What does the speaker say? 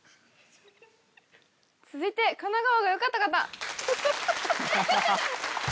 続いて金川がよかった方。